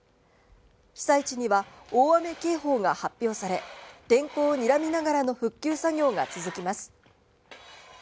被災地には大雨警報が発表され、天候をにらみながらの復旧作業が続きます。